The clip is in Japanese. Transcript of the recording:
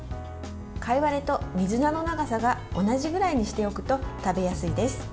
貝割れと水菜の長さが同じぐらいにしておくと食べやすいです。